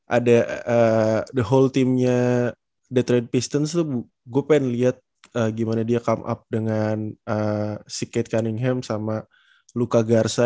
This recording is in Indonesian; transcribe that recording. ada the whole team nya detroit pistons tuh gue pengen liat gimana dia come up dengan si kate cunningham sama luka garza